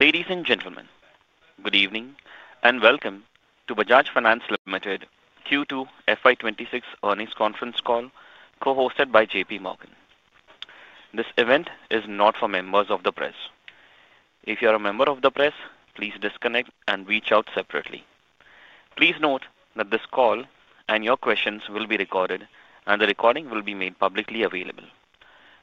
Ladies and gentlemen, good evening and welcome to Bajaj Finance Limited Q2 FY 2026 earnings conference call, co-hosted by JPMorgan. This event is not for members of the press. If you are a member of the press, please disconnect and reach out separately. Please note that this call and your questions will be recorded, and the recording will be made publicly available.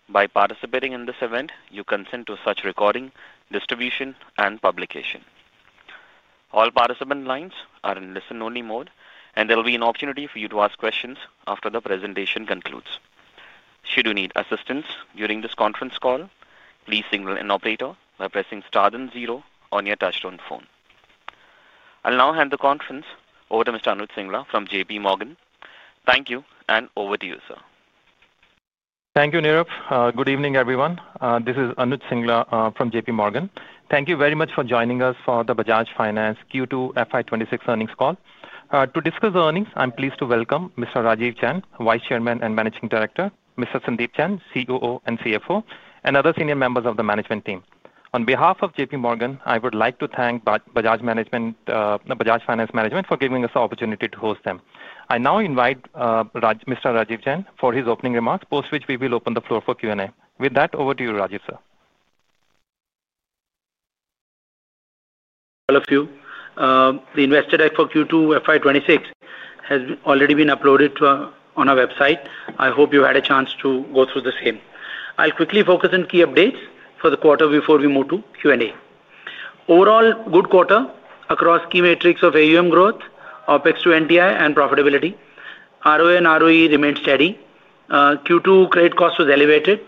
By participating in this event, you consent to such recording, distribution, and publication. All participant lines are in listen-only mode, and there will be an opportunity for you to ask questions after the presentation concludes. Should you need assistance during this conference call, please signal an operator by pressing star then zero on your touch-tone phone. I'll now hand the conference over to Mr. Anuj Singla from JPMorgan. Thank you, and over to you, sir. Thank you, Neerup. Good evening, everyone. This is Anuj Singla from JPMorgan. Thank you very much for joining us for the Bajaj Finance Q2 FY 2026 earnings call. To discuss the earnings, I'm pleased to welcome Mr. Rajeev Jain, Vice Chairman and Managing Director, Mr. Sandeep Jain, COO and CFO, and other senior members of the management team. On behalf of JPMorgan, I would like to thank Bajaj Finance management for giving us the opportunity to host them. I now invite Mr. Rajeev Jain for his opening remarks, post which we will open the floor for Q&A. With that, over to you, Rajeev, sir. All of you. The investor deck for Q2 FY 2026 has already been uploaded on our website. I hope you had a chance to go through the same. I'll quickly focus on key updates for the quarter before we move to Q&A. Overall, good quarter across key metrics of AUM growth, OpEx to NTI, and profitability. ROE and ROE remained steady. Q2 credit cost was elevated.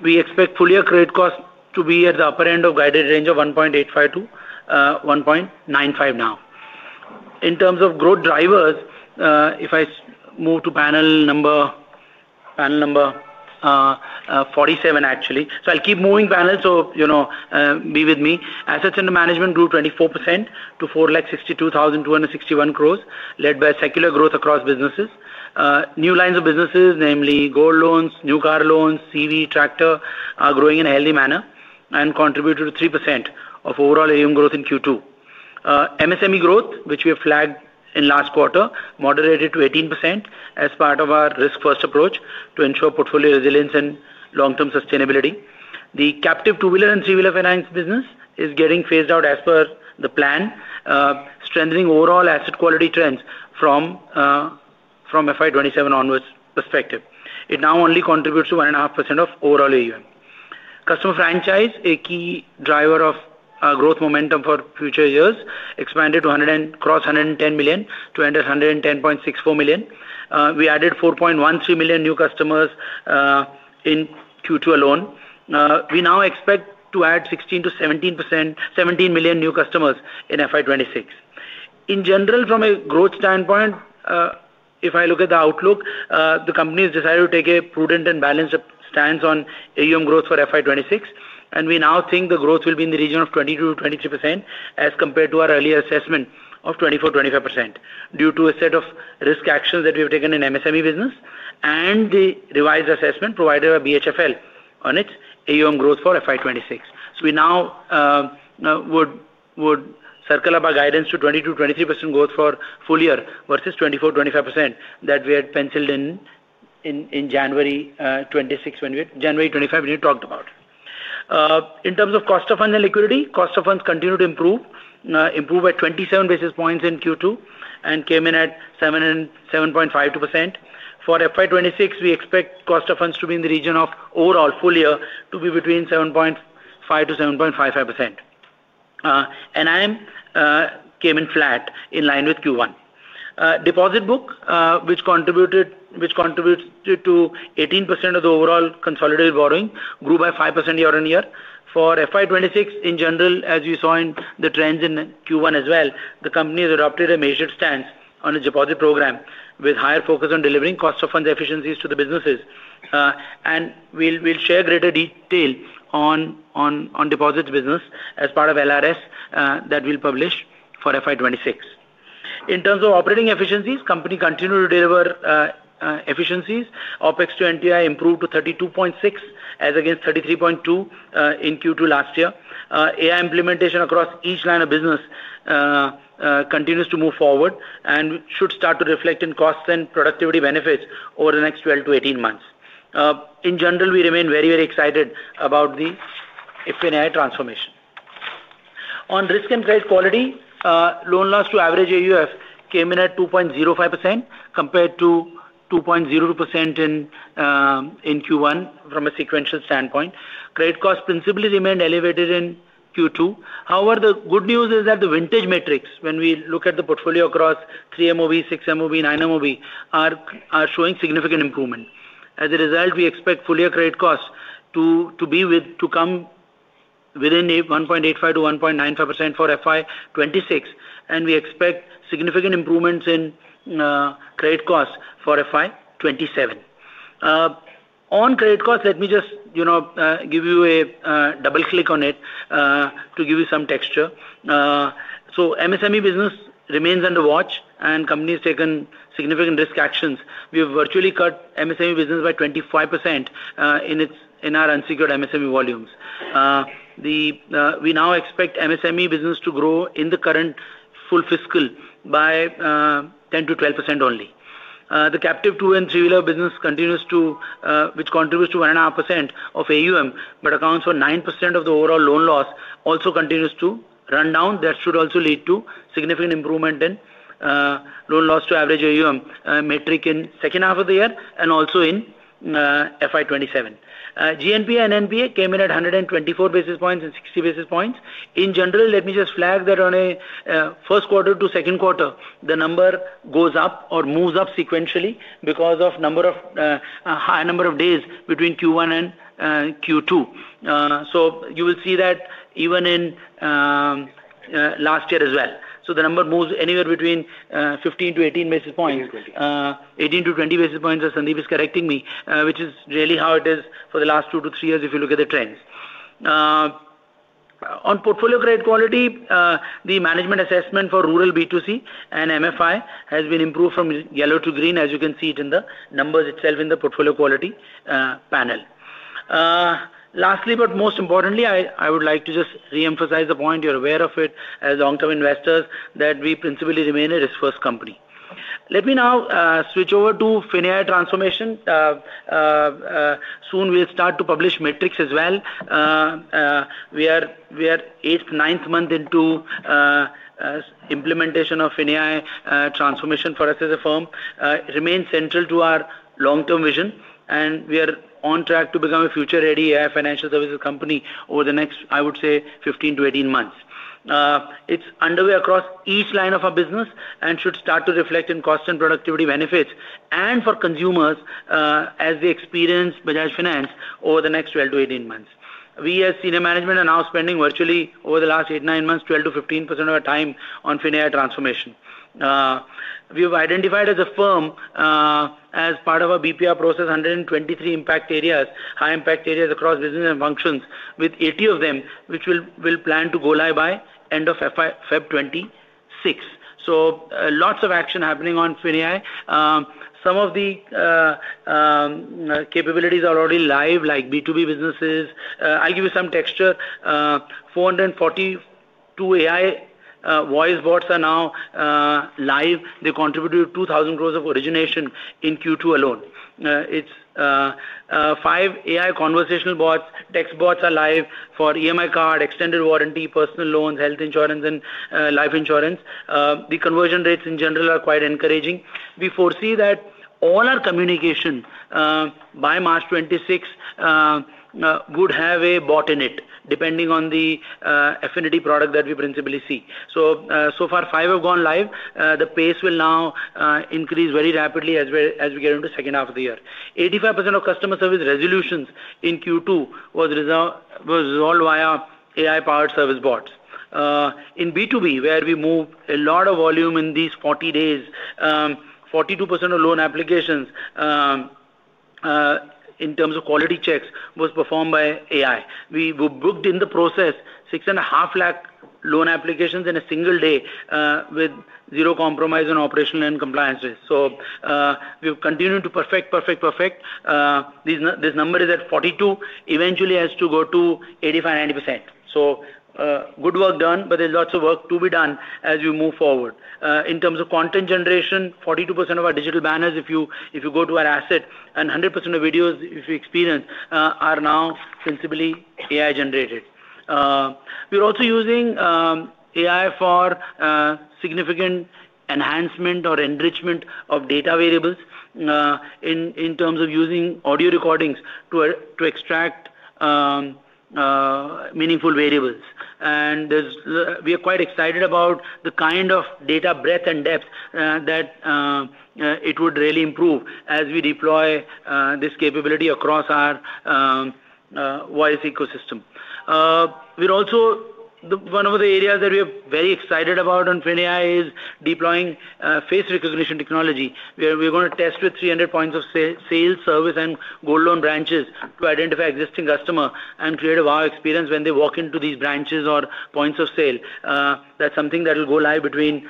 We expect full-year credit cost to be at the upper end of guided range of 1.85%-1.95% now. In terms of growth drivers, if I move to panel number 47, actually, so I'll keep moving panels, so be with me. Assets under management grew 24% to 4,62,261 crores, led by secular growth across businesses. New lines of businesses, namely gold loans, new car loans, CV, tractor, are growing in a healthy manner and contributed to 3% of overall AUM growth in Q2. MSME growth, which we have flagged in last quarter, moderated to 18% as part of our risk-first approach to ensure portfolio resilience and long-term sustainability. The captive two-wheeler and three-wheeler finance business is getting phased out as per the plan, strengthening overall asset quality trends from FY 2027 onwards perspective. It now only contributes to 1.5% of overall AUM. Customer franchise, a key driver of growth momentum for future years, expanded to 110 million to enter 110.64 million. We added 4.13 million new customers in Q2 alone. We now expect to add 16 million-17 million new customers in FY 2026. In general, from a growth standpoint, if I look at the outlook, the company has decided to take a prudent and balanced stance on AUM growth for FY 2026. We now think the growth will be in the region of 22%-23% as compared to our earlier assessment of 24%-25% due to a set of risk actions that we have taken in MSME business and the revised assessment provided by BHFL on its AUM growth for FY 2026. We now would circle up our guidance to 22%-23% growth for full year versus 24%-25% that we had penciled in January 2026 when we had January 2025 when you talked about. In terms of cost of funds and liquidity, cost of funds continued to improve, improved by 27 basis points in Q2 and came in at 7.52%. For FY 2026, we expect cost of funds to be in the region of overall full year to be between 7.5%-7.55%. IAM came in flat in line with Q1. Deposit book, which contributed to 18% of the overall consolidated borrowing, grew by 5% year-on-year. For FY 2026, in general, as we saw in the trends in Q1 as well, the company has adopted a measured stance on its deposit program with higher focus on delivering cost of funds efficiencies to the businesses. We will share greater detail on deposits business as part of LRS that we will publish for FY 2026. In terms of operating efficiencies, company continued to deliver efficiencies. OpEx to NTI improved to 32.6% as against 33.2% in Q2 last year. AI implementation across each line of business continues to move forward and should start to reflect in costs and productivity benefits over the next 12-18 months. In general, we remain very, very excited about the FinAI transformation. On risk and credit quality, loan loss to average U.S. came in at 2.05% compared to 2.02% in Q1 from a sequential standpoint. Credit cost principally remained elevated in Q2. However, the good news is that the vintage metrics, when we look at the portfolio across 3MOV, 6MOV, 9MOV, are showing significant improvement. As a result, we expect full-year credit cost to come within 1.85%-1.95% for FY 2026, and we expect significant improvements in credit cost for FY 2027. On credit cost, let me just give you a double click on it to give you some texture. MSME business remains under watch, and company has taken significant risk actions. We have virtually cut MSME business by 25% in our unsecured MSME volumes. We now expect MSME business to grow in the current full fiscal by 10%-12% only. The captive two and three-wheeler business continues to, which contributes to 1.5% of AUM, but accounts for 9% of the overall loan loss, also continues to run down. That should also lead to significant improvement in loan loss to average AUM metric in second half of the year and also in FY 2027. GNPA and NNPA came in at 124 basis points and 60 basis points. In general, let me just flag that on a first quarter to second quarter, the number goes up or moves up sequentially because of a high number of days between Q1 and Q2. You will see that even in last year as well. The number moves anywhere between 15-18 basis points. 18-20 basis points, as Sandeep is correcting me, which is really how it is for the last two to three years if you look at the trends. On portfolio credit quality, the management assessment for rural B2C and MFI has been improved from yellow to green, as you can see it in the numbers itself in the portfolio quality panel. Lastly, but most importantly, I would like to just re-emphasize the point you're aware of it as long-term investors that we principally remain a risk-first company. Let me now switch over to FinAI transformation. Soon we'll start to publish metrics as well. We are eighth, ninth month into implementation of FinAI transformation for us as a firm. It remains central to our long-term vision, and we are on track to become a future-ready AI financial services company over the next, I would say, 15-18 months. It's underway across each line of our business and should start to reflect in cost and productivity benefits and for consumers as they experience Bajaj Finance over the next 12-18 months. We as senior management are now spending virtually over the last eight to nine months 12%-15% of our time on FinAI transformation. We have identified as a firm, as part of our BPR process, 123 high impact areas across business and functions, with 80 of them, which we will plan to go live by end of FY 2026. Lots of action happening on FinAI. Some of the capabilities are already live, like B2B businesses. I'll give you some texture. 442 AI voice bots are now live. They contributed 2,000 crore of origination in Q2 alone. It's five AI conversational bots. Text bots are live for EMI Card, Extended Warranty, Personal Loans, Health Insurance, and Life Insurance. The conversion rates in general are quite encouraging. We foresee that all our communication by March 2026 would have a bot in it, depending on the affinity product that we principally see. So far, five have gone live. The pace will now increase very rapidly as we get into the second half of the year. 85% of customer service resolutions in Q2 was resolved via AI-powered service bots. In B2B, where we moved a lot of volume in these 40 days, 42% of loan applications in terms of quality checks was performed by AI. We booked in the process 650,000 loan applications in a single day with zero compromise on operational and compliance. We have continued to perfect, perfect, perfect. This number is at 42. Eventually, it has to go to 85%-90%. Good work done, but there's lots of work to be done as we move forward. In terms of content generation, 42% of our digital banners, if you go to our asset, and 100% of videos we experience are now principally AI-generated. We're also using AI for significant enhancement or enrichment of data variables in terms of using audio recordings to extract meaningful variables. We are quite excited about the kind of data breadth and depth that it would really improve as we deploy this capability across our voice ecosystem. One of the areas that we are very excited about on FinAI is deploying face recognition technology, where we're going to test with 300 points of sale, service, and gold loan branches to identify existing customers and create a wow experience when they walk into these branches or points of sale. That's something that will go live between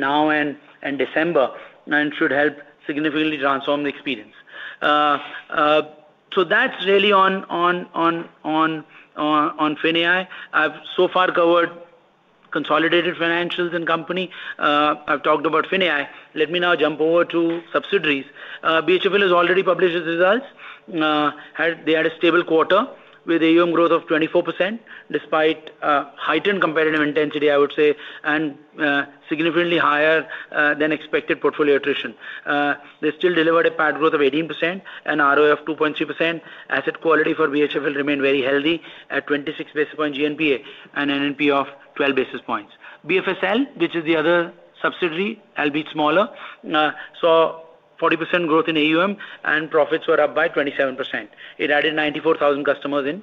now and December and should help significantly transform the experience. That's really on FinAI. I've so far covered consolidated financials and company. I've talked about FinAI. Let me now jump over to subsidiaries. BHFL has already published its results. They had a stable quarter with AUM growth of 24% despite heightened competitive intensity, I would say, and significantly higher than expected portfolio attrition. They still delivered a PAT growth of 18% and ROE of 2.3%. Asset quality for BHFL remained very healthy at 26 basis points GNPA and NNPA of 12 basis points. BFSL, which is the other subsidiary, albeit smaller, saw 40% growth in AUM, and profits were up by 27%. It added 94,000 customers in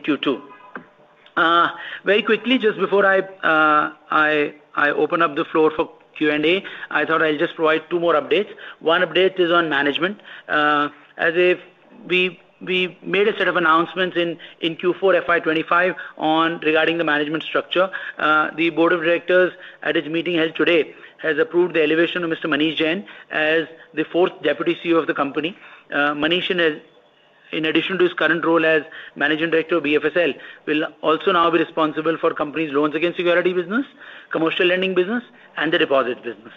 Q2. Very quickly, just before I open up the floor for Q&A, I thought I'll just provide two more updates. One update is on management. As if we made a set of announcements in Q4 FY 2025 regarding the management structure. The Board of Directors at its meeting held today has approved the elevation of Mr. Manish Jain as the fourth Deputy CEO of the company. Manish, in addition to his current role as Managing Director of BFSL, will also now be responsible for the company's loans against security business, commercial lending business, and the deposit business.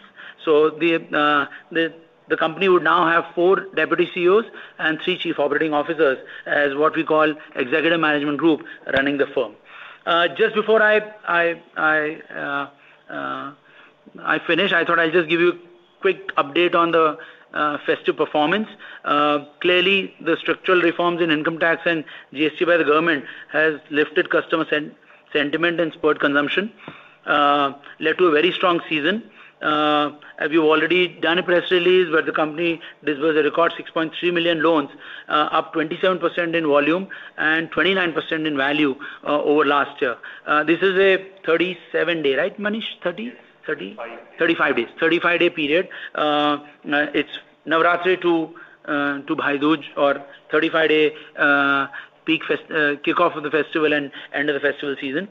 The company would now have four Deputy CEOs and three Chief Operating Officers as what we call executive management group running the firm. Just before I finish, I thought I'd just give you a quick update on the festive performance. Clearly, the structural reforms in income tax and GST by the government have lifted customer sentiment and spurred consumption, led to a very strong season. We've already done a press release where the company delivered a record 6.3 million loans, up 27% in volume and 29% in value over last year. This is a 37-day, right, Manish? 30? 35. 35 days. 35-day period. It's Navratri to Bhai Dooj, or 35-day kickoff of the festival and end of the festival season.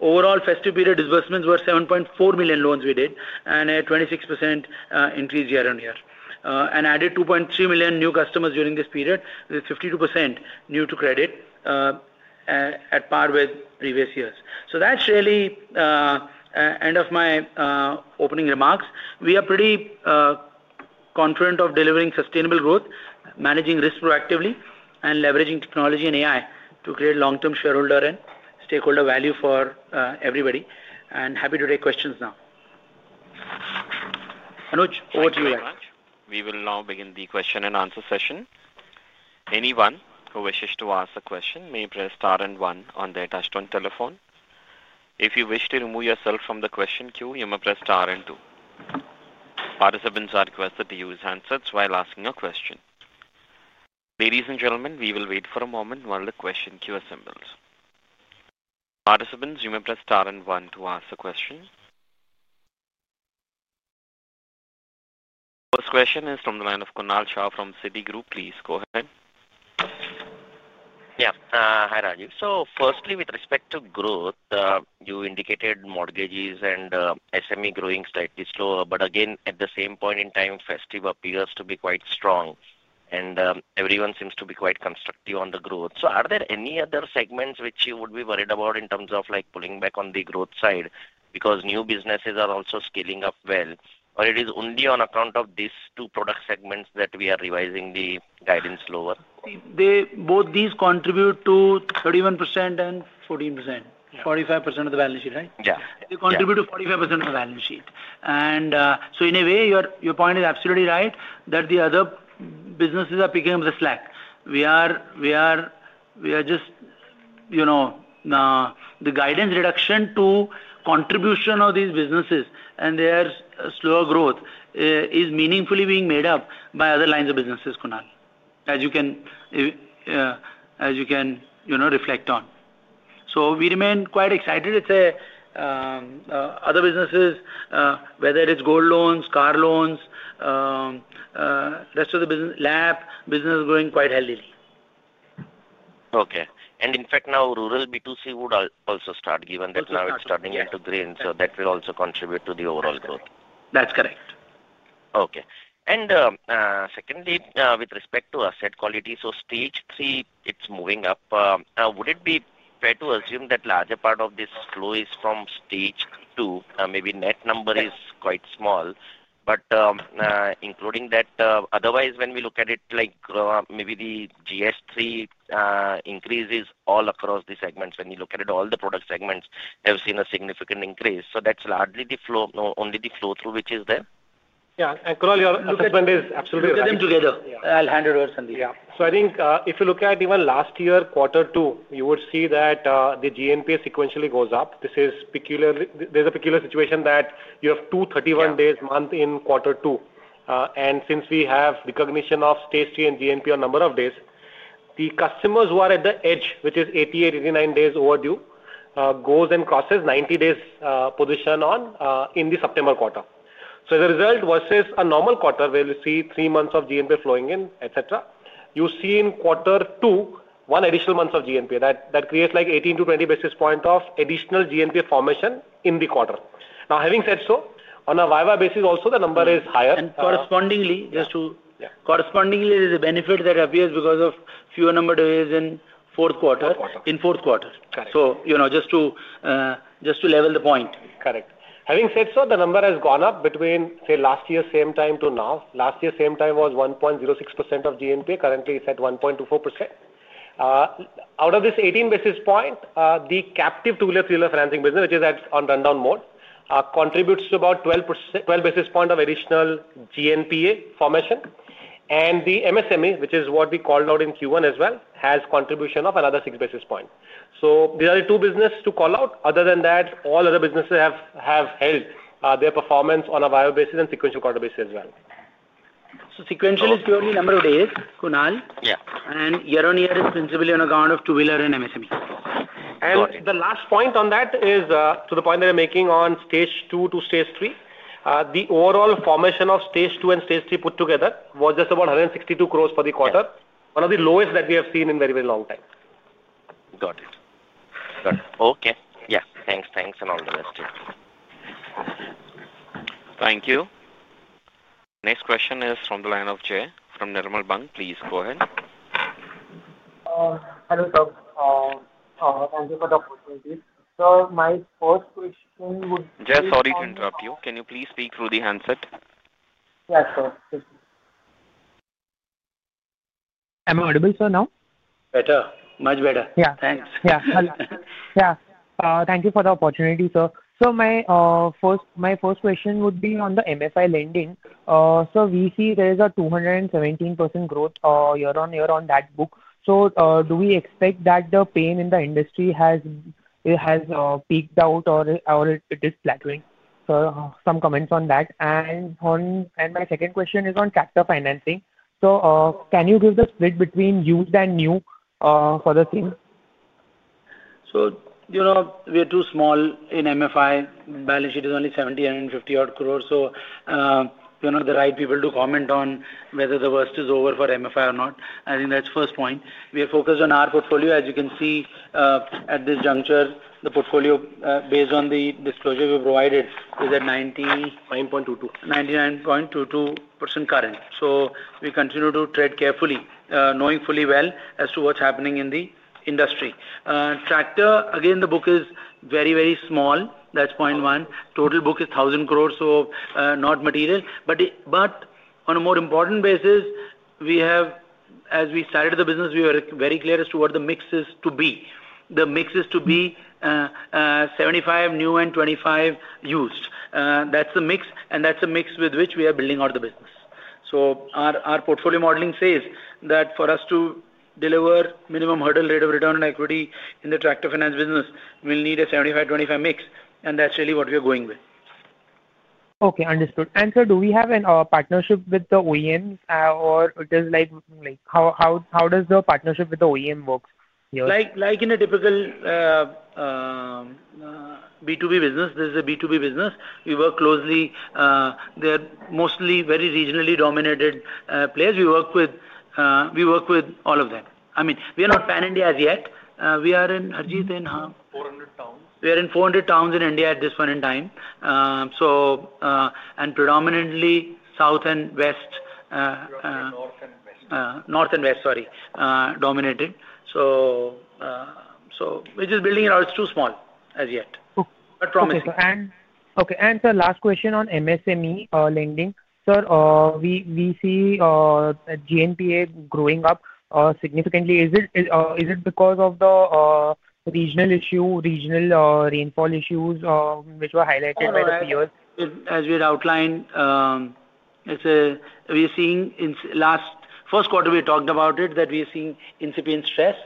Overall, festive period disbursements were 7.4 million loans we did, and a 26% increase year-on-year. And added 2.3 million new customers during this period, with 52% new to credit at par with previous years. That's really the end of my opening remarks. We are pretty confident of delivering sustainable growth, managing risk proactively, and leveraging technology and AI to create long-term shareholder and stakeholder value for everybody. Happy to take questions now. Anuj, over to you, guys. Thank you very much. We will now begin the question and answer session. Anyone who wishes to ask a question may press star and one on their touchstone telephone. If you wish to remove yourself from the question queue, you may press star and two. Participants are requested to use handsets while asking a question. Ladies and gentlemen, we will wait for a moment while the question queue assembles. Participants, you may press star and one to ask a question. First question is from the line of Kunal Shah from Citigroup. Please go ahead. Yeah. Hi, Rajeev. So firstly, with respect to growth, you indicated mortgages and SME growing slightly slower. But again, at the same point in time, festive appears to be quite strong, and everyone seems to be quite constructive on the growth. Are there any other segments which you would be worried about in terms of pulling back on the growth side because new businesses are also scaling up well, or is it only on account of these two product segments that we are revising the guidance lower? Both these contribute to 31% and 14%, 45% of the balance sheet, right? Yeah. They contribute to 45% of the balance sheet. In a way, your point is absolutely right that the other businesses are picking up the slack. The guidance reduction to contribution of these businesses and their slower growth is meaningfully being made up by other lines of businesses, Kunal, as you can reflect on. We remain quite excited. It is other businesses, whether it is gold loans, car loans, rest of the lab business is growing quite healthily. Okay. In fact, now rural B2C would also start, given that now it is turning into green, so that will also contribute to the overall growth. That is correct. Okay. Secondly, with respect to asset quality, stage three is moving up. Would it be fair to assume that a larger part of this flow is from stage two? Maybe net number is quite small, but including that, otherwise, when we look at it, maybe the GS3 increases all across the segments. When you look at it, all the product segments have seen a significant increase. That is largely only the flow through which is there? Yeah. Kunal, your assessment is absolutely right. Look at them together. I will hand it over. Yeah. I think if you look at even last year, quarter two, you would see that the GNPA sequentially goes up. There's a peculiar situation that you have 231 days month in quarter two. And since we have recognition of stage three and GNPA on number of days, the customers who are at the edge, which is 88, 89 days overdue, goes and crosses 90 days position on in the September quarter. As a result, versus a normal quarter where we see three months of GNPA flowing in, etc., you see in quarter two, one additional month of GNPA. That creates like 18-20 basis point of additional GNPA formation in the quarter. Now, having said so, on a Viva basis, also the number is higher. And correspondingly, just to correspondingly, there's a benefit that appears because of fewer number days in fourth quarter. In fourth quarter. Correct. Just to level the point. Correct. Having said so, the number has gone up between, say, last year same time to now. Last year same time was 1.06% of GNPA. Currently, it's at 1.24%. Out of this 18 basis point, the captive two-wheeler, three-wheeler financing business, which is on rundown mode, contributes to about 12 basis point of additional GNPA formation. And the MSME, which is what we called out in Q1 as well, has contribution of another six basis point. These are the two businesses to call out. Other than that, all other businesses have held their performance on a YoY basis and sequential quarter basis as well. Sequential is purely number of days, Kunal. Yeah. Year on year is principally on account of two-wheeler and MSME. The last point on that is to the point that I'm making on stage two to stage three. The overall formation of stage two and stage three put together was just about 162 crores for the quarter, one of the lowest that we have seen in a very, very long time. Got it. Got it. Okay. Yeah. Thanks. Thanks and all the best too. Thank you. Next question is from the line of Jay from Nomura Bank. Please go ahead. Hello sir. Thank you for the opportunity. Sir, my first question would. Jay, sorry to interrupt you. Can you please speak through the handset? Yeah, sure. Am I audible, sir, now? Better. Much better. Yeah. Thanks. Yeah. Yeah. Thank you for the opportunity, sir. So my first question would be on the MFI lending. So we see there is a 217% growth year-on-year on that book. Do we expect that the pain in the industry has peaked out or it is flattering? Some comments on that. My second question is on capital financing. Can you give the split between used and new for the same? We are too small in MFI. Balance sheet is only 70- 150 crores. The right people to comment on whether the worst is over for MFI or not. I think that's the first point. We are focused on our portfolio. As you can see at this juncture, the portfolio based on the disclosure we provided is at 99.22% current. We continue to tread carefully, knowing fully well as to what's happening in the industry. Tractor, again, the book is very, very small. That's point one. Total book is 1,000 crores, so not material. On a more important basis, as we started the business, we were very clear as to what the mix is to be. The mix is to be 75 new and 25 used. That is the mix. And that is the mix with which we are building out the business. Our portfolio modeling says that for us to deliver minimum hurdle rate of return on equity in the tractor finance business, we will need a 75-25 mix. That is really what we are going with. Okay. Understood. Sir, do we have a partnership with the OEMs, or how does the partnership with the OEM work here? Like in a typical B2B business, this is a B2B business. We work closely. They are mostly very regionally dominated players. We work with all of them. I mean, we are not pan-India as yet. We are in how many? 400 towns. We are in 400 towns in India at this point in time. Predominantly north and west. North and west, sorry, dominated. We're just building it out. It's too small as yet, but promising. Okay. Sir, last question on MSME lending. Sir, we see GNPA growing up significantly. Is it because of the regional issue, regional rainfall issues, which were highlighted by the peers? As we had outlined, we are seeing in last first quarter, we talked about it, that we are seeing incipient stress.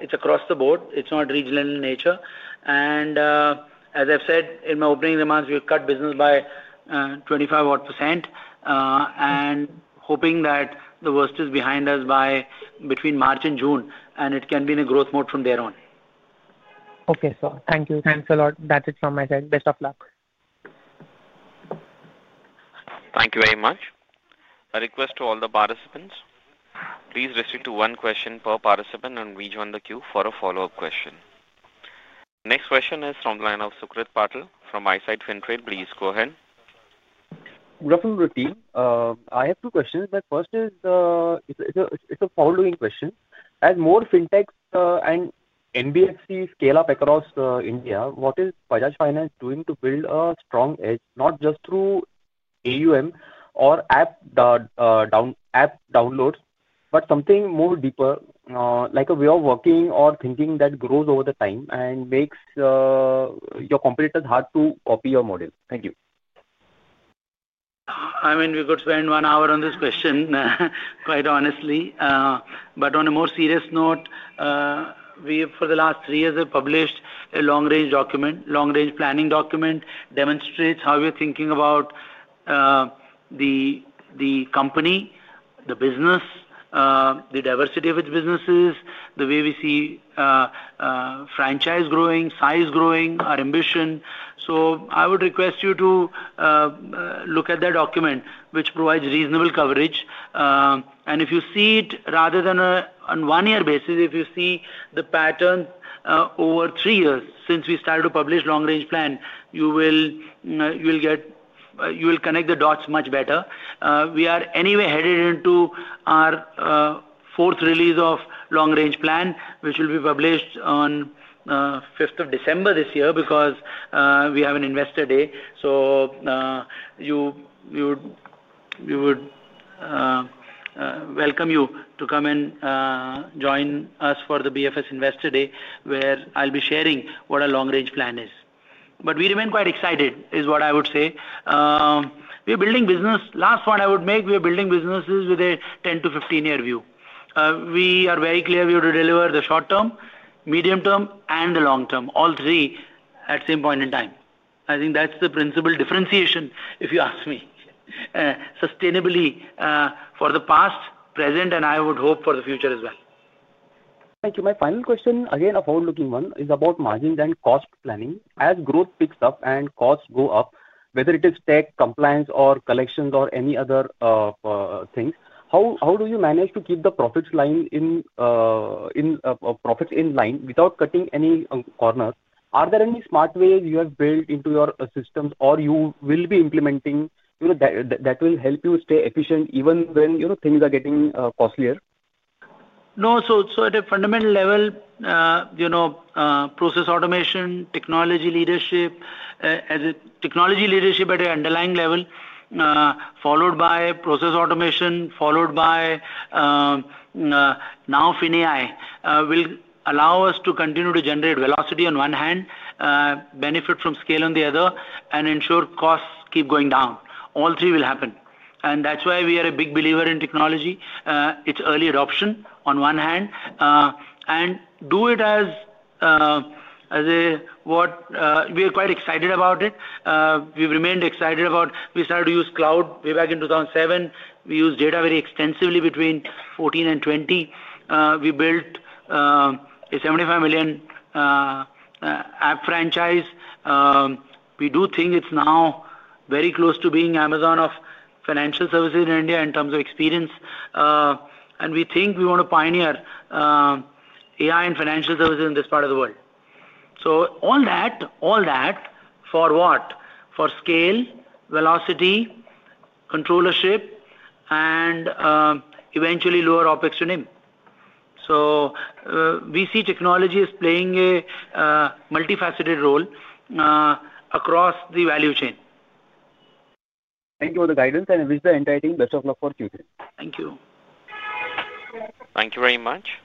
It's across the board. It's not regional in nature. As I've said in my opening remarks, we've cut business by 25% and hoping that the worst is behind us by between March and June, and it can be in a growth mode from there on. Okay, sir. Thank you. Thanks a lot. That's it from my side. Best of luck. Thank you very much. A request to all the participants Please restrict to one question per participant, and we join the queue for a follow-up question. Next question is from the line of Sucrit Patil from Eyesight Fintrade. Please go ahead. Good afternoon, Rajeev. I have two questions, but first is it's a forward-looking question. As more fintechs and NBFCs scale up across India, what is Bajaj Finance doing to build a strong edge, not just through AUM or app downloads, but something more deeper, like a way of working or thinking that grows over the time and makes your competitors hard to copy your model? Thank you. I mean, we could spend one hour on this question, quite honestly. But on a more serious note, for the last three years, we've published a long-range document. Long-range planning document demonstrates how we're thinking about the company, the business, the diversity of its businesses, the way we see franchise growing, size growing, our ambition. I would request you to look at that document, which provides reasonable coverage. If you see it rather than on a one-year basis, if you see the pattern over three years since we started to publish long-range plan, you will connect the dots much better. We are anyway headed into our fourth release of long-range plan, which will be published on 5th of December this year because we have an Investor Day. We would welcome you to come and join us for the BFS Investor Day, where I'll be sharing what a long-range plan is. We remain quite excited, is what I would say. We are building business. Last point I would make, we are building businesses with a 10-15 year view. We are very clear we will deliver the short-term, medium-term, and the long-term, all three at the same point in time. I think that's the principal differentiation, if you ask me, sustainably for the past, present, and I would hope for the future as well. Thank you. My final question, again, a forward-looking one, is about margins and cost planning. As growth picks up and costs go up, whether it is tech compliance or collections or any other things, how do you manage to keep the profits in line without cutting any corners? Are there any smart ways you have built into your systems or you will be implementing that will help you stay efficient even when things are getting costlier? No. At a fundamental level, process automation, technology leadership at an underlying level, followed by process automation, followed by now FinAI, will allow us to continue to generate velocity on one hand, benefit from scale on the other, and ensure costs keep going down. All three will happen. That is why we are a big believer in technology, its early adoption on one hand, and do it as a what we are quite excited about it. We have remained excited about we started to use cloud way back in 2007. We used data very extensively between 2014 and 2020. We built a 75 million app franchise. We do think it is now very close to being Amazon of financial services in India in terms of experience. We think we want to pioneer AI and financial services in this part of the world. All that for what? For scale, velocity, controllership, and eventually lower OpEx to name. We see technology is playing a multifaceted role across the value chain. Thank you for the guidance, and I wish the entire team best of luck for Q3. Thank you. Thank you very much.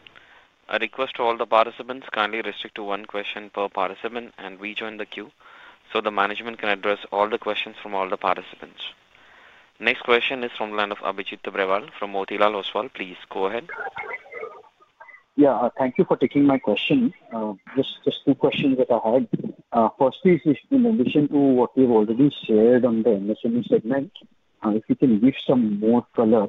A request to all the participants, kindly restrict to one question per participant, and rejoin the queue so the management can address all the questions from all the participants. Next question is from the line of Abhijit Tibrewal from Motilal Oswal. Please go ahead. Yeah. Thank you for taking my question. Just two questions that I had. Firstly, in addition to what you've already shared on the MSME segment, if you can give some more color.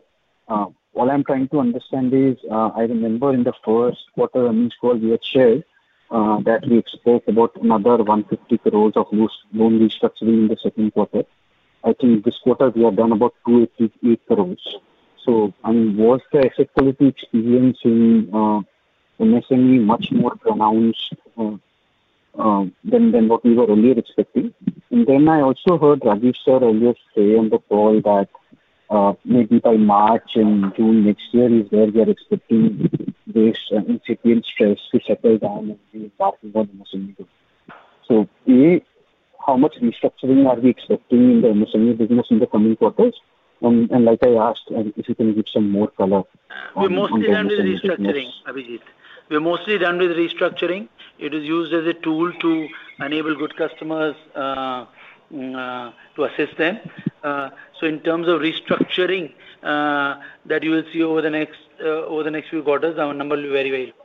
What I'm trying to understand is I remember in the first quarter of the means score we had shared that we spoke about another 150 crores of loan restructuring in the second quarter. I think this quarter we have done about 288 crores. I mean, was the asset quality experience in MSME much more pronounced than what we were earlier expecting? I also heard Rajeev Sir earlier today on the call that maybe by March and June next year is where we are expecting this incipient stress to settle down and be back in what MSME does. How much restructuring are we expecting in the MSME business in the coming quarters? Like I asked, if you can give some more color. We are mostly done with restructuring, Abhijit. We are mostly done with restructuring. It is used as a tool to enable good customers to assist them. In terms of restructuring that you will see over the next few quarters, our number will be very variable.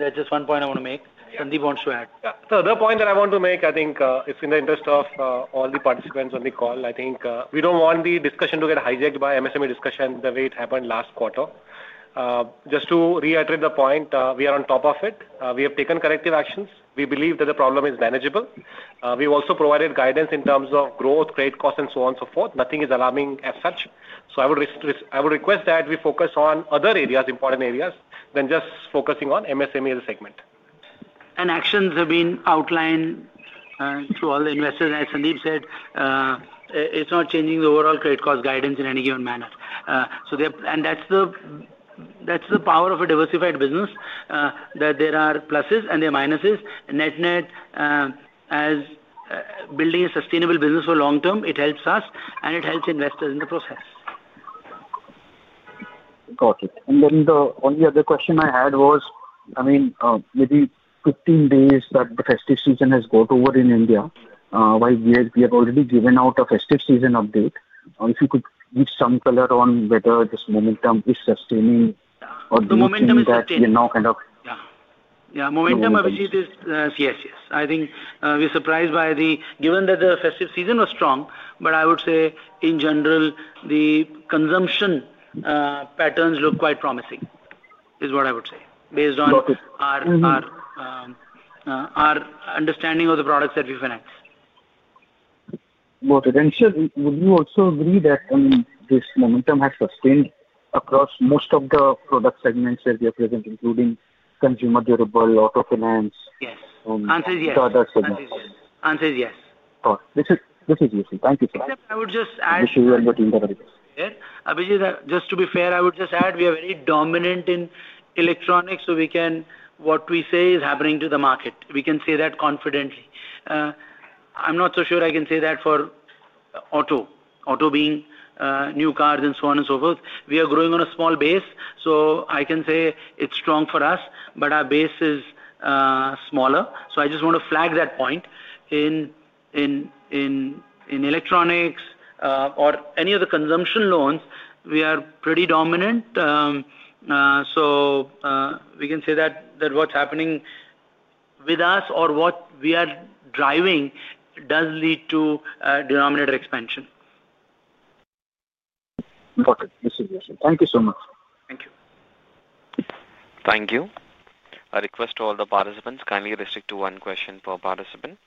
That is just one point I want to make. Sandeep wants to add. Yeah. The other point that I want to make, I think it is in the interest of all the participants on the call. I think we do not want the discussion to get hijacked by MSME discussion the way it happened last quarter. Just to reiterate the point, we are on top of it. We have taken corrective actions. We believe that the problem is manageable. We have also provided guidance in terms of growth, credit costs, and so on and so forth. Nothing is alarming as such. I would request that we focus on other areas, important areas, than just focusing on MSME as a segment. Actions have been outlined to all the investors. As Sandeep said, it is not changing the overall credit cost guidance in any given manner. That is the power of a diversified business, that there are pluses and there are minuses. Net-net, as building a sustainable business for long term, it helps us, and it helps investors in the process. Got it. The only other question I had was, I mean, maybe 15 days that the festive season has gone over in India, while we have already given out a festive season update. If you could give some color on whether this momentum is sustaining or the impact we are now kind of. Yeah. Momentum, Abhijit, is yes, yes. I think we're surprised by the given that the festive season was strong, but I would say, in general, the consumption patterns look quite promising, is what I would say, based on our understanding of the products that we finance. Got it. Sir, would you also agree that, I mean, this momentum has sustained across most of the product segments that we are presenting, including consumer durable, auto finance. Yes. Answer is yes. Product segments. Answer is yes. This is useful. Thank you so much. I would just add. I wish you and your team the very best. Abhijit, just to be fair, I would just add we are very dominant in electronics, so what we say is happening to the market. We can say that confidently. I'm not so sure I can say that for Auto. Auto being new cars and so on and so forth. We are growing on a small base, so I can say it's strong for us, but our base is smaller. I just want to flag that point. In electronics or any of the consumption loans, we are pretty dominant. We can say that what's happening with us or what we are driving does lead to denominator expansion. Got it. This is useful. Thank you so much. Thank you. Thank you. A request to all the participants, kindly restrict to one question per participant.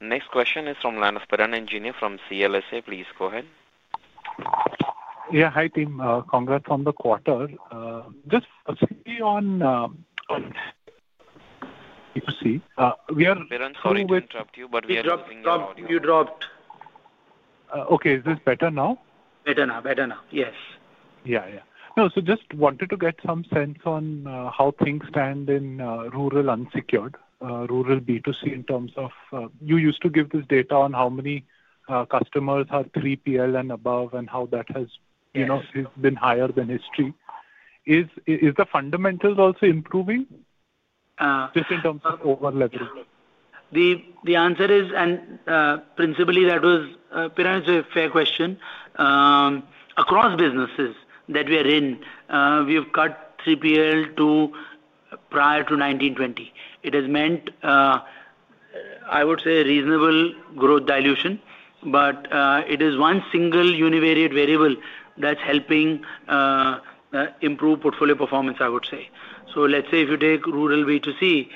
Next question is from the line of Piran Engineer from CLSA. Please go ahead. Yeah. Hi, team. Congrats on the quarter. Just a sneak peek on. Let me see. We are. Piran, sorry to interrupt you, but we are dropping the audio. You dropped. Okay. Is this better now? Better now. Better now. Yes. Yeah. Yeah. No. Just wanted to get some sense on how things stand in rural unsecured, rural B2C in terms of you used to give this data on how many customers are 3PL and above and how that has been higher than history. Is the fundamentals also improving just in terms of over-level? The answer is, and principally, that was Piran, is a fair question. Across businesses that we are in, we have cut 3PL to prior to 2019-2020. It has meant, I would say, a reasonable growth dilution, but it is one single univariate variable that's helping improve portfolio performance, I would say. Let's say if you take rural B2C,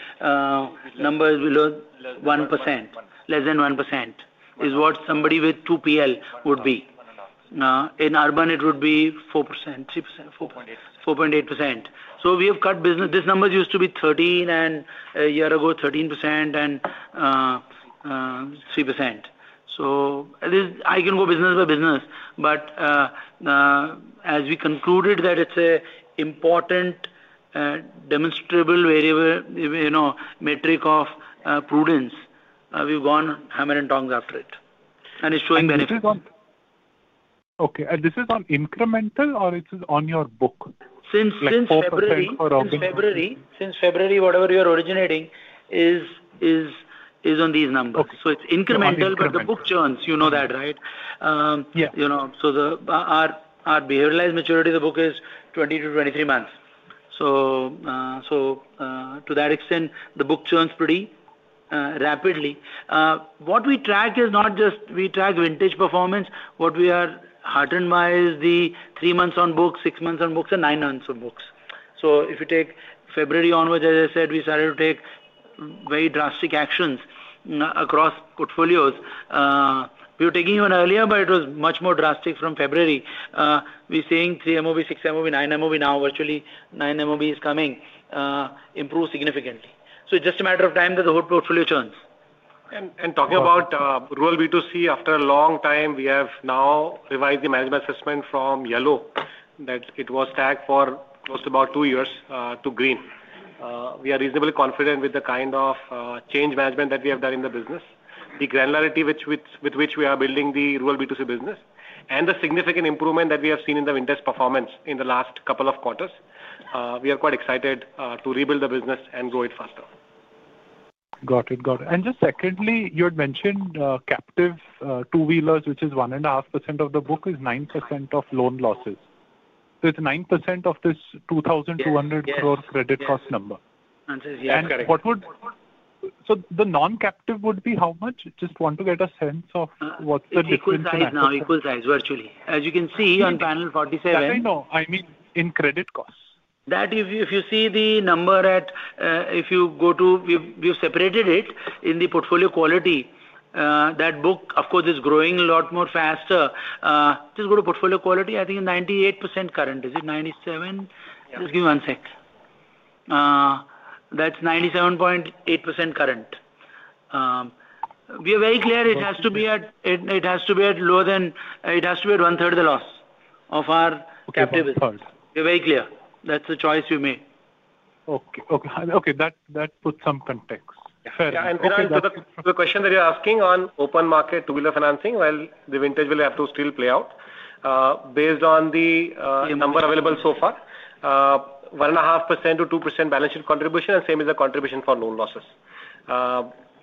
numbers below 1%, less than 1%, is what somebody with 2PL would be. In urban, it would be 4%, 3%, 4.8%. We have cut business. This number used to be 13% a year ago, 13% and 3%. I can go business by business, but as we concluded that it's an important demonstrable variable metric of prudence, we've gone hammer and tongs after it. It's showing benefits. Okay. This is on incremental or it's on your book? Since February. Since February, whatever you are originating is on these numbers. It's incremental, but the book churns. You know that, right? Our behavioralized maturity, the book is 20-23 months. To that extent, the book churns pretty rapidly. What we track is not just, we track vintage performance. What we are heartened by is the three months on books, six months on books, and nine months on books. If you take February onwards, as I said, we started to take very drastic actions across portfolios. We were taking one earlier, but it was much more drastic from February. We're seeing 3MOV, 6MOV, 9MOV now. Virtually 9MOV is coming. Improved significantly. It is just a matter of time that the whole portfolio churns. Talking about rural B2C, after a long time, we have now revised the management assessment from yellow that it was tagged for close to about two years to green. We are reasonably confident with the kind of change management that we have done in the business, the granularity with which we are building the rural B2C business, and the significant improvement that we have seen in the vintage performance in the last couple of quarters. We are quite excited to rebuild the business and grow it faster. Got it. Got it. Just secondly, you had mentioned captive two-wheelers, which is 1.5% of the book, is 9% of loan losses. It is 9% of this 2,200 crore credit cost number. Answer is yes. Correct. The non-captive would be how much? Just want to get a sense of what is the difference in that. Not size. Not size now. Equal size, virtually. As you can see on panel 47. Definitely no. I mean, in credit costs. If you see the number, if you go to, we have separated it in the portfolio quality. That book, of course, is growing a lot more faster. Just go to portfolio quality. I think 98% current. Is it 97%? Just give me one sec. That is 97.8% current. We are very clear it has to be at, it has to be at lower than, it has to be at one-third of the loss of our captive as well. We are very clear. That is the choice we made. Okay. Okay. Okay. That puts some context. Fair enough. Yeah. For the question that you're asking on open market two-wheeler financing, the vintage will have to still play out based on the number available so far, 1.5%-2% balance sheet contribution, and same is the contribution for loan losses.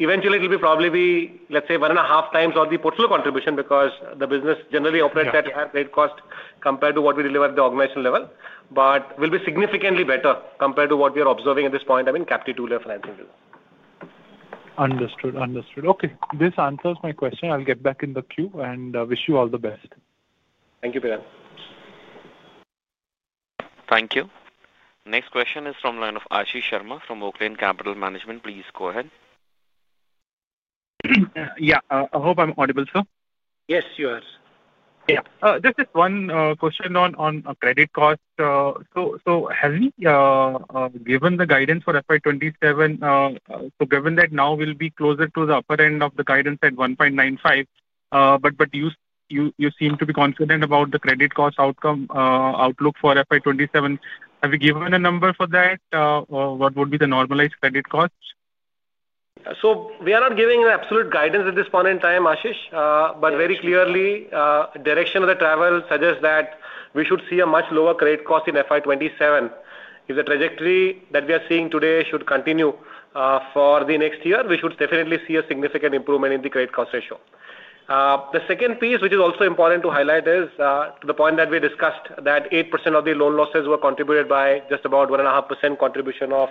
Eventually, it will probably be, let's say, 1.5x of the portfolio contribution because the business generally operates at higher credit cost compared to what we deliver at the organizational level, but will be significantly better compared to what we are observing at this point, I mean, captive two-wheeler financing deal. Understood. Understood. Okay. This answers my question. I'll get back in the queue and wish you all the best. Thank you, Piran. Thank you. Next question is from the line of Ashish Sharma from Oaksec Capital Management. Please go ahead. Yeah. I hope I'm audible, sir. Yes, you are. Yeah. Just one question on credit cost. Have we given the guidance for FY 2027? Given that now we will be closer to the upper end of the guidance at 1.95%, but you seem to be confident about the credit cost outlook for FY 2027. Have you given a number for that? What would be the normalized credit cost? We are not giving absolute guidance at this point in time, Ashish, but very clearly, direction of the travel suggests that we should see a much lower credit cost in FY 2027. If the trajectory that we are seeing today should continue for the next year, we should definitely see a significant improvement in the credit cost ratio. The second piece, which is also important to highlight, is the point that we discussed that 8% of the loan losses were contributed by just about 1.5% contribution of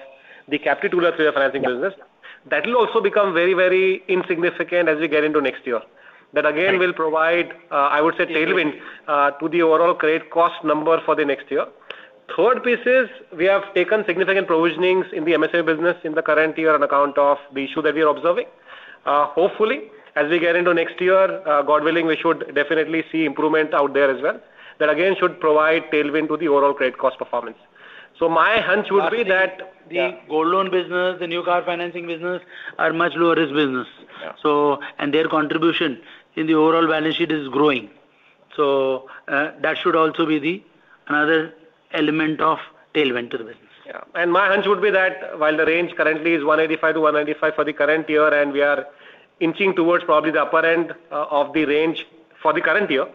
the captive two-wheeler financing business. That will also become very, very insignificant as we get into next year. That, again, will provide, I would say, tailwind to the overall credit cost number for the next year. Third piece is we have taken significant provisionings in the MSME business in the current year on account of the issue that we are observing. Hopefully, as we get into next year, God willing, we should definitely see improvement out there as well. That, again, should provide tailwind to the overall credit cost performance. My hunch would be that the gold loan business, the new car financing business are much lower risk business. And their contribution in the overall balance sheet is growing. That should also be the another element of tailwind to the business. Yeah. My hunch would be that while the range currently is 1.85%-1.95% for the current year and we are inching towards probably the upper end of the range for the current year,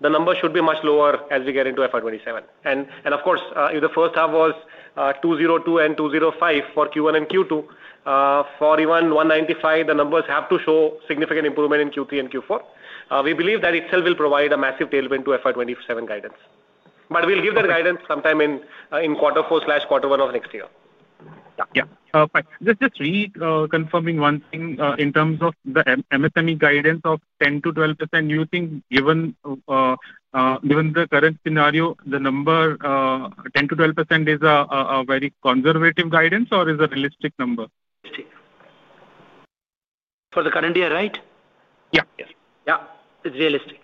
the number should be much lower as we get into fiscal year 2027. Of course, if the first half was 2.02% and 2.05% for Q1 and Q2, for even 1.95%, the numbers have to show significant improvement in Q3 and Q4. We believe that itself will provide a massive tailwind to fiscal year 2027 guidance. We will give that guidance sometime in quarter four or quarter one of next year. Yeah. Just reconfirming one thing in terms of the MSME guidance of 10%-12%, do you think given the current scenario, the number 10%-12% is a very conservative guidance or is a realistic number? For the current year, right? Yeah. Yeah. It is realistic.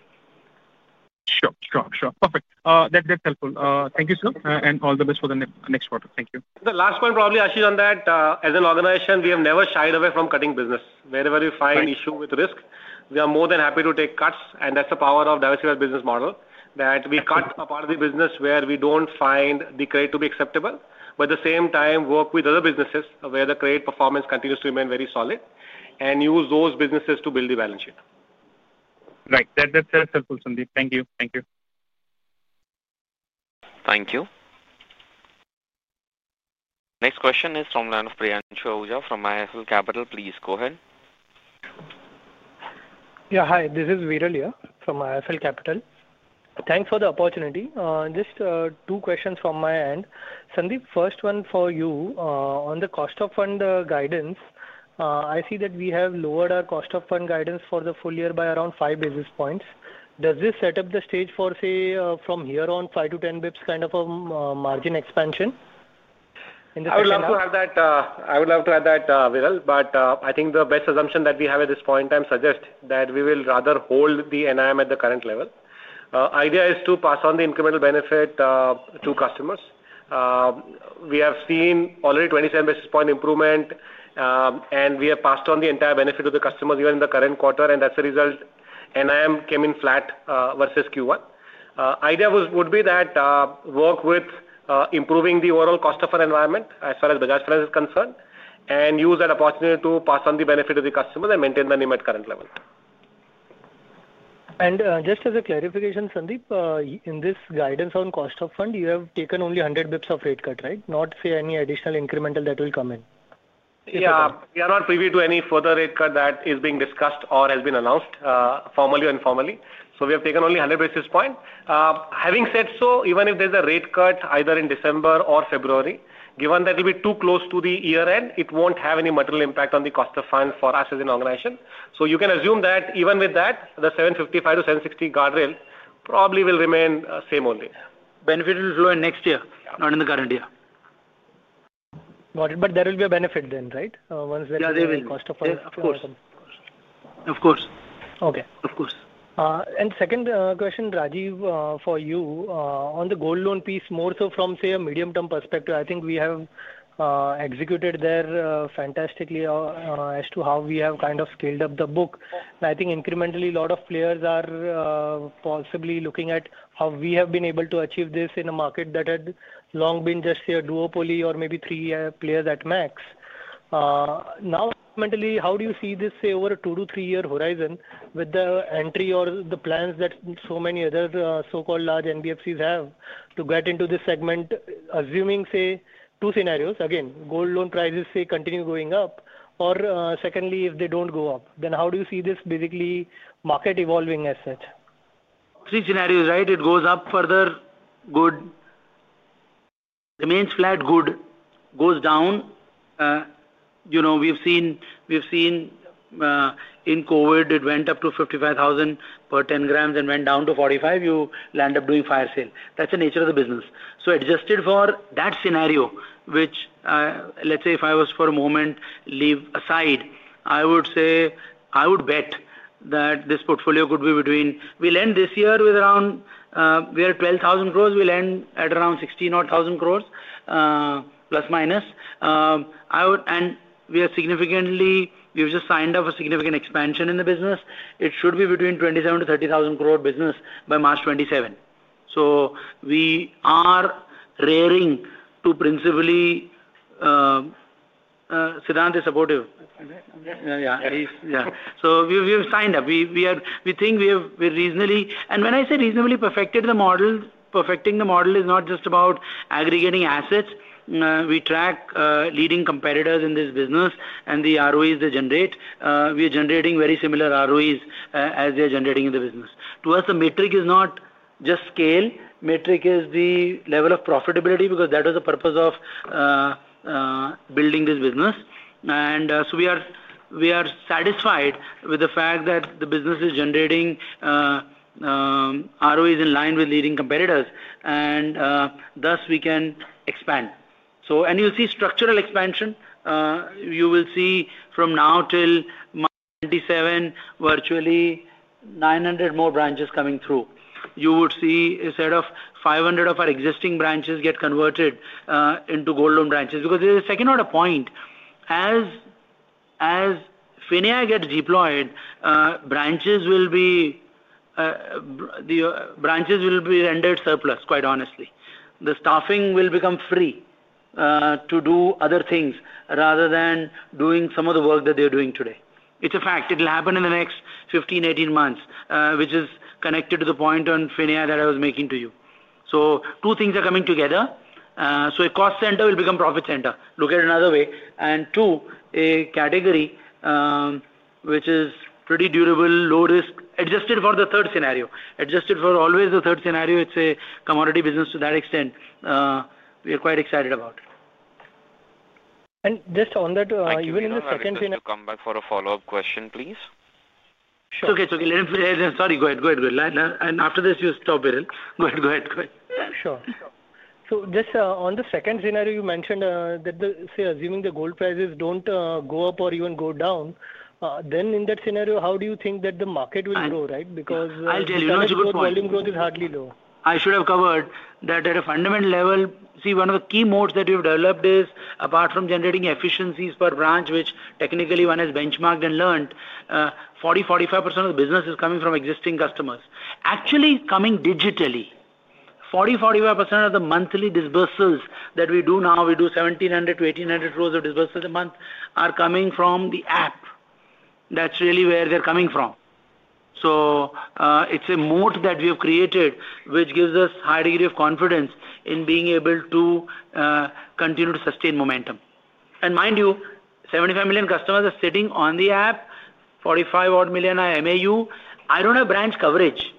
Sure. Sure. Perfect. That's helpful. Thank you, sir. And all the best for the next quarter. Thank you. The last point, probably, Ashish, on that. As an organization, we have never shied away from cutting business. Wherever we find an issue with risk, we are more than happy to take cuts. That's the power of diversified business model, that we cut a part of the business where we don't find the credit to be acceptable, but at the same time, work with other businesses where the credit performance continues to remain very solid and use those businesses to build the balance sheet. Right. That's helpful, Sandeep. Thank you. Thank you. Thank you. Next question is from the line of Priyan Shahujah from ISL Capital. Please go ahead. Yeah. Hi. This is Viral here from ISL Capital. Thanks for the opportunity. Just two questions from my end. Sandeep, first one for you. On the cost of fund guidance, I see that we have lowered our cost of fund guidance for the full year by around five basis points. Does this set up the stage for, say, from here on, five to 10 basis points kind of a margin expansion? I would love to add that. I would love to add that, Viral. I think the best assumption that we have at this point in time suggests that we will rather hold the NIM at the current level. The idea is to pass on the incremental benefit to customers. We have seen already 27 basis point improvement, and we have passed on the entire benefit to the customers here in the current quarter. As a result, NIM came in flat versus Q1. The idea would be that work with improving the overall cost of our environment as far as Bajaj Finance is concerned and use that opportunity to pass on the benefit to the customers and maintain the NIM at current level. Just as a clarification, Sandeep, in this guidance on cost of fund, you have taken only 100 basis points of rate cut, right? Not, say, any additional incremental that will come in? Yeah. We are not privy to any further rate cut that is being discussed or has been announced formally or informally. We have taken only 100 basis points. Having said so, even if there is a rate cut either in December or February, given that it will be too close to the year-end, it will not have any material impact on the cost of funds for us as an organization. You can assume that even with that, the 755-760 guardrail probably will remain same only. Benefit will flow in next year, not in the current year. Got it. There will be a benefit then, right? Once there is a cost of fund. Yeah. There will be. Of course. Of course. Of course. Okay. Of course. Second question, Rajeev, for you. On the gold loan piece, more so from, say, a medium-term perspective, I think we have executed there fantastically as to how we have kind of scaled up the book. I think incrementally, a lot of players are possibly looking at how we have been able to achieve this in a market that had long been just, say, a duopoly or maybe three players at max. Now, fundamentally, how do you see this, say, over a two to three-year horizon with the entry or the plans that so many other so-called large NBFCs have to get into this segment, assuming, say, two scenarios. Again, gold loan prices, say, continue going up. Or secondly, if they do not go up, then how do you see this basically market evolving as such? Three scenarios, right? It goes up further, good. Remains flat, good. Goes down. We have seen in COVID, it went up to 55,000 per 10 grams and went down to 45,000. You land up doing fire sale. That is the nature of the business. So adjusted for that scenario, which, let us say, if I was for a moment leave aside, I would say I would bet that this portfolio could be between we will end this year with around we are 12,000 crores. We'll end at around 16 or 1,000 crore ±. We have significantly, we've just signed up a significant expansion in the business. It should be between 27,000-30,000 crore business by March 2027. We are raring to, principally Siddhant is supportive. Yeah. Yeah. We've signed up. We think we have reasonably, and when I say reasonably, perfected the model. Perfecting the model is not just about aggregating assets. We track leading competitors in this business and the ROEs they generate. We are generating very similar ROEs as they are generating in the business. To us, the metric is not just scale. Metric is the level of profitability because that was the purpose of building this business. We are satisfied with the fact that the business is generating ROEs in line with leading competitors. Thus, we can expand. You will see structural expansion. You will see from now till March 2027, virtually 900 more branches coming through. You would see a set of 500 of our existing branches get converted into gold loan branches. There is a second-order point. As FinAI gets deployed, branches will be rendered surplus, quite honestly. The staffing will become free to do other things rather than doing some of the work that they are doing today. It is a fact. It will happen in the next 15-18 months, which is connected to the point on FinAI that I was making to you. Two things are coming together. A cost center will become a profit center. Look at it another way. A category which is pretty durable, low risk, adjusted for the third scenario. Adjusted for always the third scenario. It is a commodity business to that extent. We are quite excited about it. Just on that, even in the second. To come back for a follow-up question, please. Sure. It's okay. Sorry. Go ahead. Go ahead. Go ahead. After this, you stop, Viral. Go ahead. Go ahead. Go ahead. Sure. Just on the second scenario, you mentioned that, say, assuming the gold prices do not go up or even go down, then in that scenario, how do you think that the market will grow, right? Because, I'll tell you, no, it's a good point. Volume growth is hardly low. I should have covered that at a fundamental level. See, one of the key modes that we have developed is, apart from generating efficiencies per branch, which technically one has benchmarked and learned, 40%-45% of the business is coming from existing customers. Actually coming digitally, 40%-45% of the monthly disbursements that we do now, we do 1,700-1,800 crore of disbursements a month, are coming from the app. That's really where they're coming from. It is a moat that we have created, which gives us a high degree of confidence in being able to continue to sustain momentum. Mind you, 75 million customers are sitting on the app, 45-odd million are MAU. I do not have branch coverage.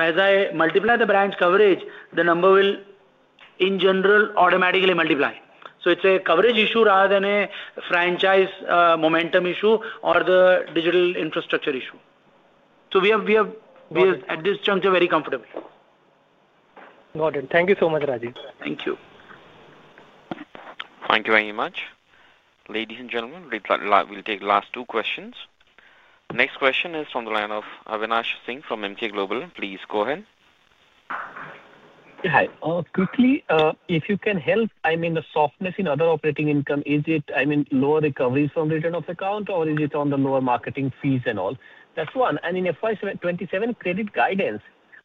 As I multiply the branch coverage, the number will, in general, automatically multiply. It is a coverage issue rather than a franchise momentum issue or the digital infrastructure issue. We are, at this juncture, very comfortable. Got it. Thank you so much, Rajeev. Thank you. Thank you very much. Ladies and gentlemen, we will take last two questions. Next question is from the line of Avinash Singh from Emkay Global. Please go ahead. Hi. Quickly, if you can help, I mean, the softness in other operating income, is it, I mean, lower recoveries from return of account, or is it on the lower marketing fees and all? That's one. And in FY 2027, credit guidance,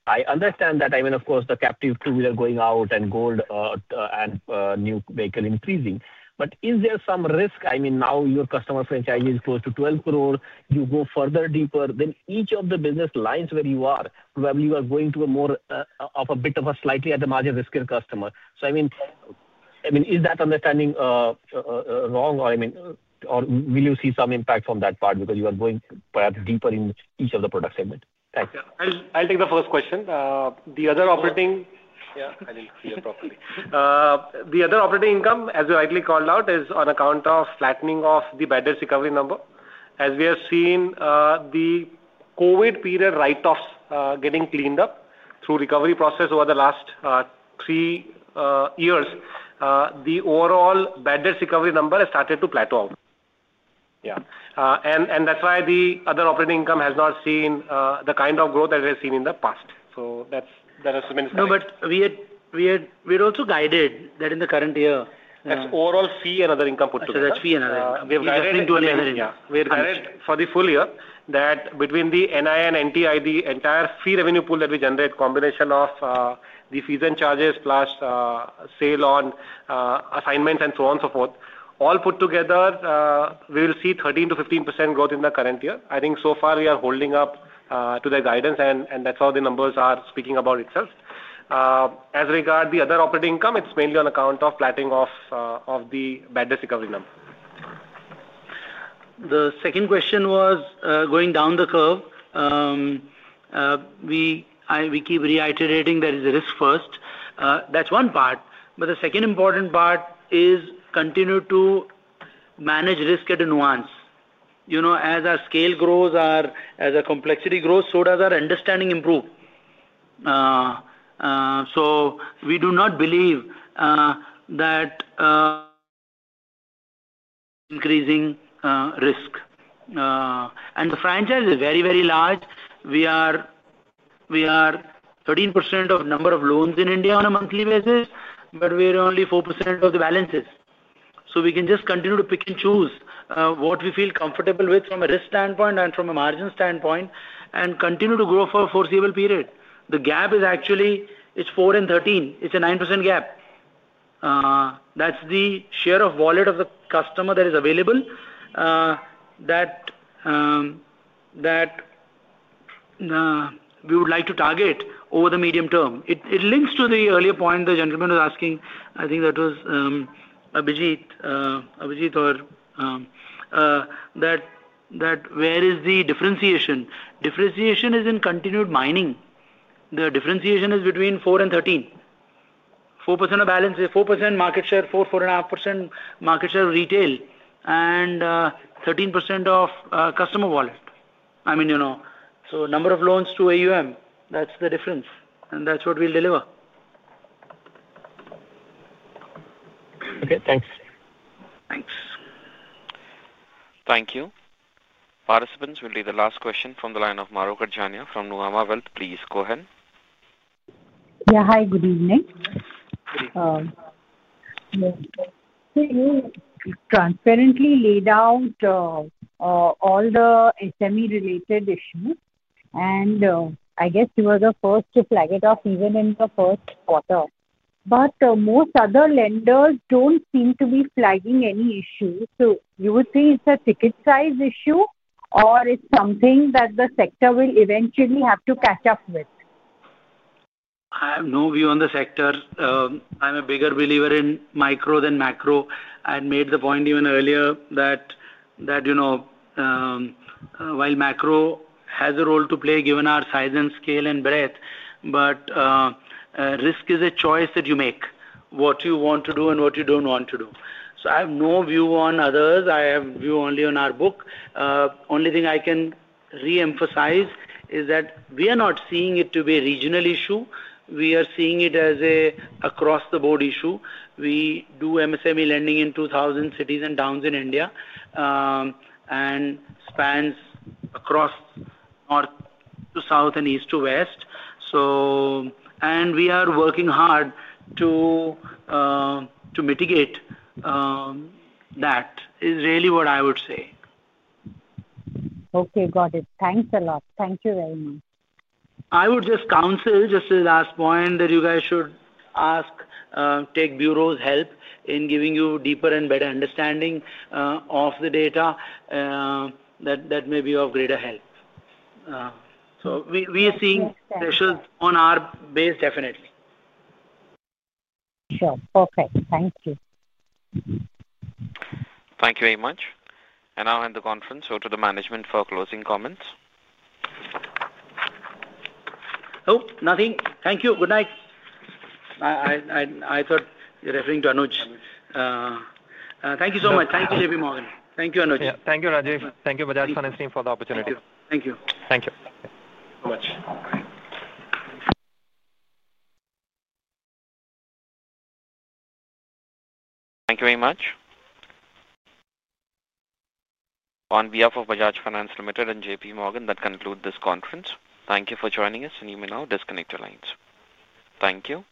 I understand that, I mean, of course, the captive two-wheeler going out and gold and new vehicle increasing. Is there some risk? I mean, now your customer franchise is close to 12 crore. You go further, deeper, then each of the business lines where you are, probably you are going to a bit of a slightly at the margin riskier customer. I mean, is that understanding wrong? Or will you see some impact from that part because you are going perhaps deeper in each of the product segment? Thanks. I'll take the first question. The other operating, yeah. I didn't hear properly. The other operating income, as you rightly called out, is on account of flattening of the baddest recovery number. As we have seen the COVID period write-offs getting cleaned up through recovery process over the last three years, the overall baddest recovery number has started to plateau out. That is why the other operating income has not seen the kind of growth that we have seen in the past. That has submitted some. No, we are also guided that in the current year. That is overall fee and other income put together. That is fee and other income. We have guided into a better year. We're guided for the full year that between the NIM, NTI, the entire fee revenue pool that we generate, combination of the fees and charges plus sale on assignments and so on and so forth, all put together, we will see 13%-15% growth in the current year. I think so far we are holding up to the guidance, and that's how the numbers are speaking about itself. As regard the other operating income, it's mainly on account of flattening of the baddest recovery number. The second question was going down the curve. We keep reiterating that it's risk first. That's one part. The second important part is continue to manage risk at a nuance. As our scale grows, as our complexity grows, so does our understanding improve. We do not believe that increasing risk. The franchise is very, very large. We are 13% of number of loans in India on a monthly basis, but we are only 4% of the balances. We can just continue to pick and choose what we feel comfortable with from a risk standpoint and from a margin standpoint and continue to grow for a foreseeable period. The gap is actually, it is 4% and 13%. It is a 9% gap. That is the share of wallet of the customer that is available that we would like to target over the medium term. It links to the earlier point the gentleman was asking. I think that was Abhijit. Abhijit or that, where is the differentiation? Differentiation is in continued mining. The differentiation is between 4% and 13%. 4% of balance is 4% market share, 4.5% market share retail, and 13% of customer wallet. I mean, so number of loans to AUM. That is the difference. And that is what we will deliver. Okay. Thanks. Thanks. Thank you. Participants, we will read the last question from the line of Mahrukh Adajania from Nuvama Wealth. Please go ahead. Yeah. Hi. Good evening. Good evening. You transparently laid out all the SME-related issues. I guess you were the first to flag it off even in the first quarter. Most other lenders do not seem to be flagging any issues. Would you say it is a ticket-sized issue, or is it something that the sector will eventually have to catch up with? I have no view on the sector. I am a bigger believer in micro than macro. I had made the point even earlier that while macro has a role to play given our size and scale and breadth, but risk is a choice that you make, what you want to do and what you do not want to do. I have no view on others. I have view only on our book. Only thing I can re-emphasize is that we are not seeing it to be a regional issue. We are seeing it as an across-the-board issue. We do MSME lending in 2,000 cities and towns in India and spans across north to south and east to west. We are working hard to mitigate that is really what I would say. Okay. Got it. Thanks a lot. Thank you very much. I would just counsel just the last point that you guys should ask tech bureaus help in giving you deeper and better understanding of the data that may be of greater help. We are seeing pressures on our base, definitely. Sure. Perfect. Thank you. Thank you very much. I'll end the conference. To the management for closing comments. Nope. Nothing. Thank you. Good night. I thought you were referring to Anuj. Thank you so much. Thank you, JPMorgan. Thank you, Anuj. Yeah. Thank you, Rajeev. Thank you, Bajaj Finance, for the opportunity. Thank you. Thank you. Thank you. Thank you so much. Thank you very much. On behalf of Bajaj Finance Limited and JPMorgan, that concludes this conference. Thank you for joining us, and you may now disconnect your lines. Thank you.